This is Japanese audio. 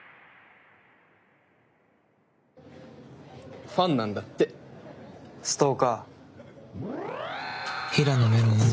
・おファンなんだってストーカいやあっ